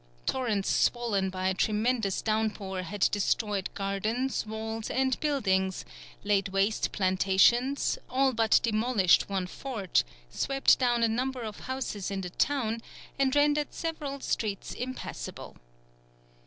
Torrents swollen by a tremendous downpour had destroyed gardens, walls, and buildings, laid waste plantations, all but demolished one fort, swept down a number of houses in the town, and rendered several streets impassable.